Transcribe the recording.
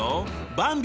ばんび